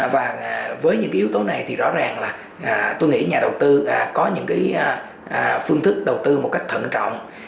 và với những yếu tố này thì rõ ràng là tôi nghĩ nhà đầu tư có những phương thức đầu tư một cách thận trọng